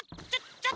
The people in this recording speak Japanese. ちょっ！